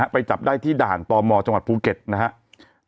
ไปจับได้ที่ด่านตมจังหวัดภูเก็ตนะครับ